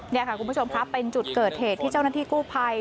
นี่ค่ะคุณผู้ชมครับเป็นจุดเกิดเหตุที่เจ้าหน้าที่กู้ภัย